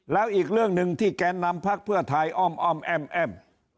แล้วอีกเรื่องหนึ่งที่แกนนำพักเพื่อไทยอ้อมอ้อมแอ้ม